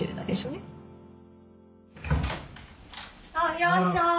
いらっしゃい。